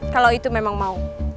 kalau itu memang mau